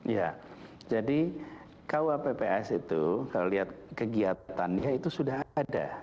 ya jadi kuappps itu kalau lihat kegiatannya itu sudah ada